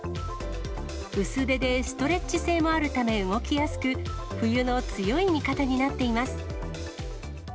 薄手でストレッチ性もあるため動きやすく、冬の強い味方になっています。